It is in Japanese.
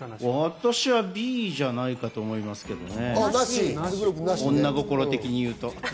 私はＢじゃないかなと思いますけどね。